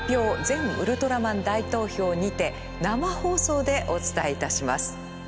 全ウルトラマン大投票」にて生放送でお伝えいたします。